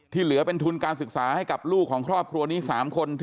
เหลือเป็นทุนการศึกษาให้กับลูกของครอบครัวนี้๓คน